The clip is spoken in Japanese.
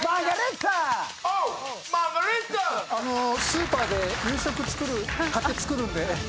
スーパーで夕食作る買って作るんで。